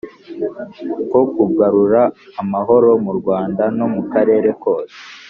ko kugarura amahoro mu rwanda no mu karere kose